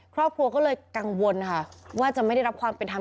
ครอบครัวก็เลยกังวลค่ะว่าจะไม่ได้รับความเป็นธรรม